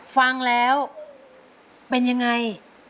ฟังแล้วเป็นยังไง